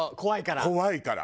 怖いから？